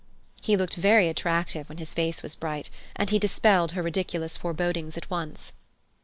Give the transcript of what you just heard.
He looked very attractive when his face was bright, and he dispelled her ridiculous forebodings at once.